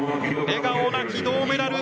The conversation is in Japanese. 笑顔なき銅メダル。